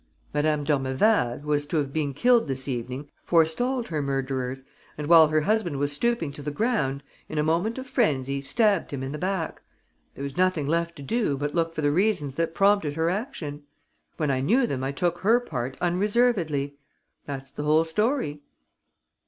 Madame d'Ormeval, who was to have been killed this evening, forestalled her murderers and while her husband was stooping to the ground, in a moment of frenzy stabbed him in the back. There was nothing left to do but look for the reasons that prompted her action. When I knew them, I took her part unreservedly. That's the whole story."